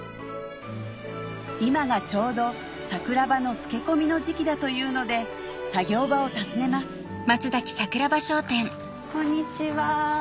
今がちょうど桜葉の漬け込みの時期だというので作業場を訪ねますこんにちは。